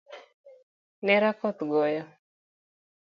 Nera koth goyo